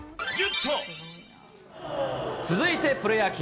続いてプロ野球。